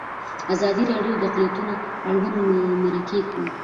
ازادي راډیو د اقلیتونه اړوند مرکې کړي.